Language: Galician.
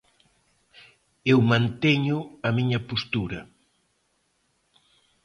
Eu manteño a miña postura.